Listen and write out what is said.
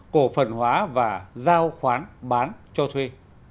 cổ phần hóa và giao khoán bán cho thuê